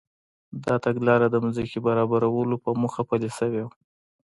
دا تګلاره د ځمکې برابرولو په موخه پلي شوې وه.